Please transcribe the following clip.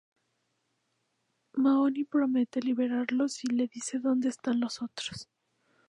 Mahone promete liberarlo si le dice donde están los otros.